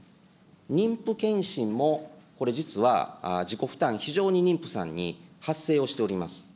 妊婦健診もこれ、実は自己負担、非常に妊婦さんに発生をしております。